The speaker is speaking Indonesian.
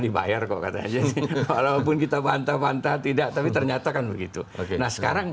dibayar kok katanya walaupun kita bantah bantah tidak tapi ternyata kan begitu oke nah sekarang